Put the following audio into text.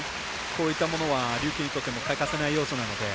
こういったものは琉球にとっても欠かせない要素なので。